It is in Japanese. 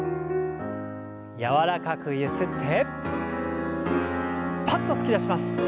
柔らかくゆすってパッと突き出します。